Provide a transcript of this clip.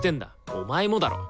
お前もだろ。